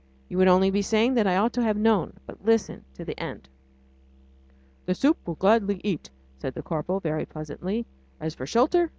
you would only be saying that I ought to have known ... but listen to the end. "The soup we'll gladly eat," said the corporal very pleasantly. "As for shelter